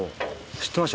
知ってました？